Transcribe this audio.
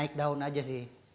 naik daun aja sih